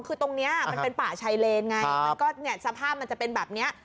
คือตรงนี้มันเป็นป่าชัยเลนไงสภาพมันจะเป็นแบบนี้